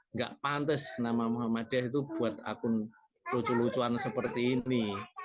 nggak pantes nama muhammadiyah itu buat akun lucu lucuan seperti ini